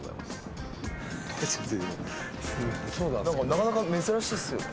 なかなか珍しいっすよね。